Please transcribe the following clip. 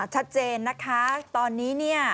ชัดเจนนะคะตอนนี้